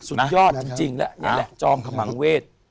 สุดยอดจริงและจอบขมังเวทย์